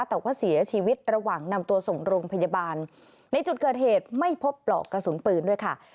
แต่ว่าเสียชีวิตระหว่างนำตัวส่งโรงพยาบาลในจุดเกิดเหตุไม่พบปลอกกระสุนปืนด้วยค่ะ